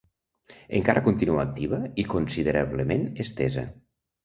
Encara continua activa i considerablement estesa.